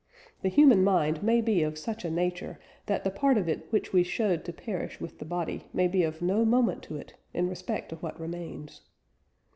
The human mind may be of such a nature that the part of it which we showed to perish with the body may be of no moment to it in respect to what remains."